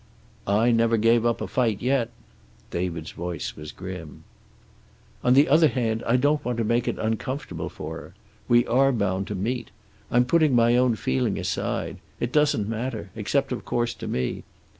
"I never gave up a fight yet." David's voice was grim. "On the other hand, I don't want to make it uncomfortable for her. We are bound to meet. I'm putting my own feeling aside. It doesn't matter except of course to me.